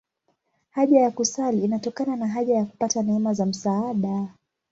Haja ya kusali inatokana na haja ya kupata neema za msaada.